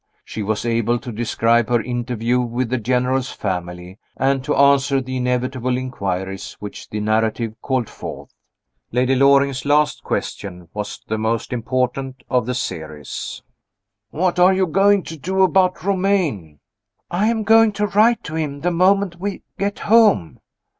She was able to describe her interview with the General's family, and to answer the inevitable inquiries which the narrative called forth. Lady Loring's last question was the most important of the series: "What are you going to do about Romayne?" "I am going to write to him the moment we get home."